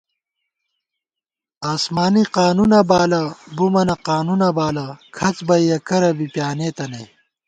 آسمانی قانُونہ بالہ ، بُمَنہ قانُونہ بالہ ، کھڅ بئیَہ کرہ بی پیانېتہ نئ